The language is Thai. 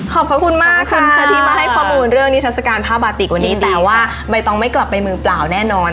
ขอบคุณมากค่ะที่มาให้ข้อมูลเรื่องนิทัศกาลผ้าบาติกวันนี้แต่ว่าใบตองไม่กลับไปมือเปล่าแน่นอน